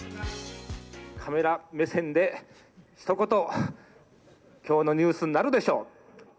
カメラ目線でひと言、きょうのニュースになるでしょう。